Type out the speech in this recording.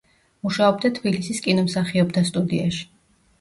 მუშაობდა თბილისის კინომსახიობთა სტუდიაში.